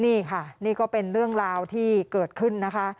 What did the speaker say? นี่ค่ะนี่ก็เป็นเรื่องราวที่เกิดขึ้นนะคะ